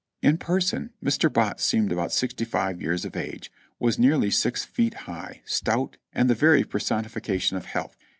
In person Mr. Botts seemed about sixty five years of age, was nearly six feet high, stout, and the very personification of health.